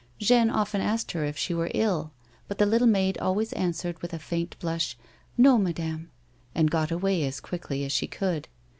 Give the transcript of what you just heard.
Jeanne often asked her if she were ill, but the little maid always answered with a faint blush, " No, madame," and got away as quickly as she could.